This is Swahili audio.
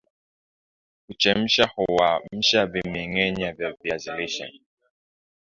Kuchemsha huamsha vimengenya vya viazi lishe